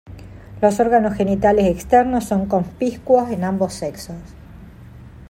Los órganos genitales externos son conspicuos en ambos sexos.